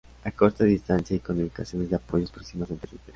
a corta distancia y con ubicaciones de apoyos próximas entre sí